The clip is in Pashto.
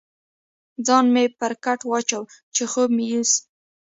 ځان مې پر کټ واچاوه، چې خوب مې یوسي.